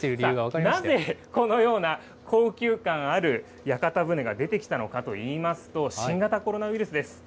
なぜこのような高級感ある屋形船が出てきたのかといいますと、新型コロナウイルスです。